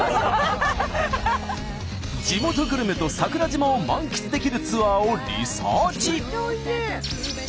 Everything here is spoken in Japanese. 地元グルメと桜島を満喫できるツアーをリサーチ。